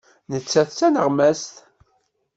Nettat d taneɣmast.